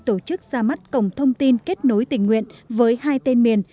tổ chức ra mắt cổng thông tin kết nối tình nguyện với hai tên miền